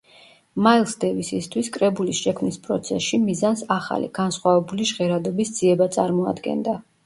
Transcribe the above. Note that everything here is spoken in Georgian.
მაილს დევისისთვის კრებულის შექმნის პროცესში მიზანს ახალი, განსხვავებული ჟღერადობის ძიება წარმოადგენდა.